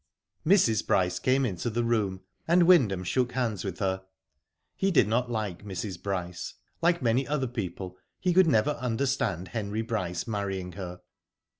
Mrs. Bryce came into the room, and Wyndham shook hands with her. He did not like Mrs. Bryce. Like many other people, he could never understand Henry Bryce marrying her.